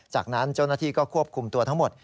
จากนั้นเจ้าหน้าที่ก็ควบคุมตัวทั้งหมด